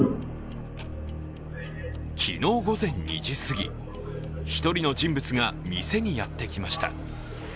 昨日午前２時すぎ、１人の人物が店にやってきました。